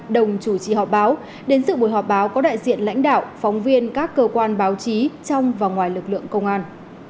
đồng chủ trì họp báo đến sự buổi họp báo có đại diện lãnh đạo phóng viên các cơ quan báo chí trong và ngoài lực lượng công an